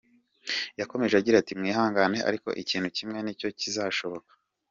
Yakomeje agira ati “Mwihangane, ariko ikintu kimwe ni cyo kizashoboka!”.